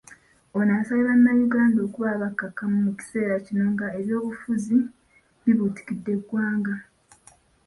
Ono asabye bannayuganda okuba abakkakkamu mu kiseera kino nga ebyobufuzi bibuutikidde eggwanga.